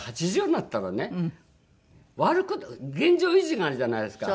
８０になったらね悪く現状維持があるじゃないですか。